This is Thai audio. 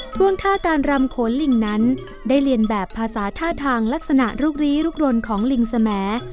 ท่วงท่าการรำโขนลิงนั้นได้เรียนแบบภาษาท่าทางลักษณะลุกลี้ลุกรนของลิงสม